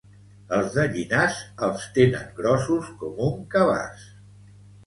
Els de Llinars els tenen grossos com un cabàs